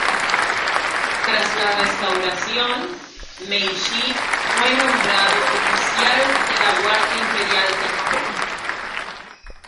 Tras la Restauración Meiji fue nombrado oficial de la Guardia Imperial de Japón.